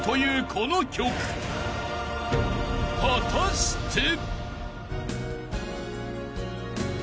［果たして？］